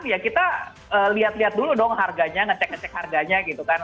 ya kita lihat lihat dulu dong harganya ngecek ngecek harganya gitu kan